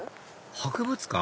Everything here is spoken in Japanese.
博物館？